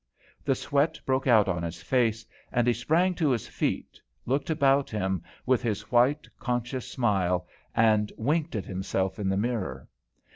The sweat broke out on his face, and he sprang to his feet, looked about him with his white, conscious smile, and winked at himself in the mirror.